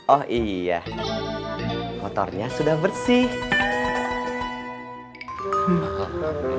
oh iya motornya sudah bersih